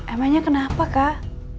emangnya kenapa kak